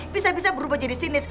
bisa bisa berubah jadi sinis